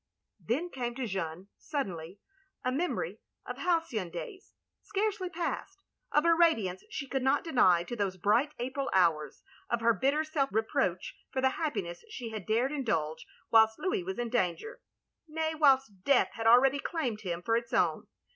...*' There came to Jeanne, suddenly, a memory of halcyon days, scarcely past ; of a radiance she could not deny to those bright April hours; of her bitter self reproach for the happiness she had dared indulge whilst Louis was in danger; nay, whilst Death had already claimed him for its own.